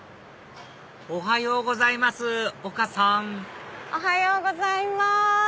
おはようございます丘さんおはようございます。